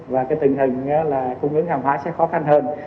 và tình hình cung ứng hàng hóa sẽ khó khăn hơn